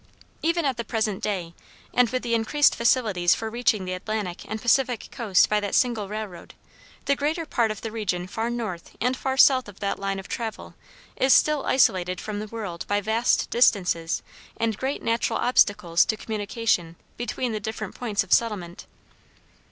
Even at the present day and with the increased facilities for reaching the Atlantic and Pacific coast by that single railroad, the greater part of the region far north and far south of that line of travel is still isolated from the world by vast distances and great natural obstacles to communication between the different points of settlement.